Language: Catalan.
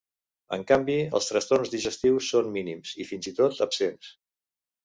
En canvi, els trastorns digestius són mínims i, fins i tot, absents.